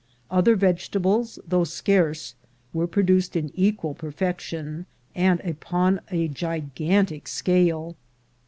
Other vegetables, though scarce, were pro duced in equal perfection, and upon a gigantic scale.